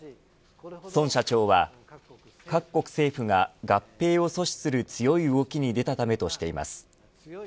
孫社長は各国政府が合併を阻止する強い動きに出たためとしています。